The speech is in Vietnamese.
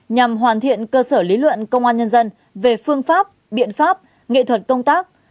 nhằm hoàn thiện cơ sở lý luận công an nhân dân về phương pháp biện pháp nghệ thuật công tác